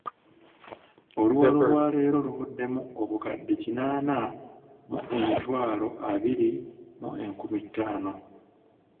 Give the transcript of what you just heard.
Oluwalo lwaleero luvuddemu obukadde kinaana mu emitwalo abiri mu enkumi ttaano.